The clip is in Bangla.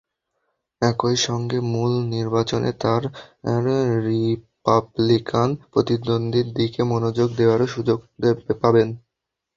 একই সঙ্গে মূল নির্বাচনে তাঁর রিপাবলিকান প্রতিদ্বন্দ্বীর দিকে মনোযোগ দেওয়ারও সুযোগ পাবেন।